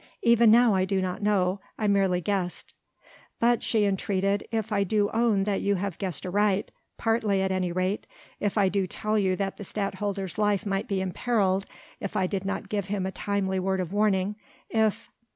Even now I do not know, I merely guessed." "But," she entreated, "if I do own that you have guessed aright partly at any rate if I do tell you that the Stadtholder's life might be imperilled if I did not give him a timely word of warning, if...."